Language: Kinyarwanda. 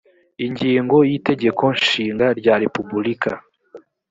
ingingo ya y itegeko nshinga rya repubulika